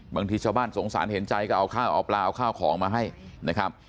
บางทีชาวบ้านสงสารเห็นใจก็เอาข้าวเอาปลาเอาข้าวของมาให้นะครับ